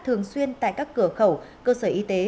thường xuyên tại các cửa khẩu cơ sở y tế